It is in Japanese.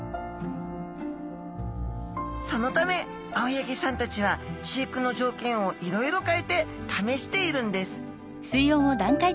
そのため青柳さんたちは飼育の条件をいろいろ変えてためしているんです